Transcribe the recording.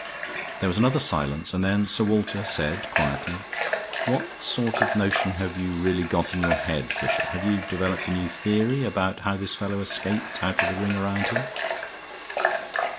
There was another silence, and then Sir Walter said, quietly: "What sort of notion have you really got in your head, Fisher? Have you developed a new theory about how this fellow escaped out of the ring round him?"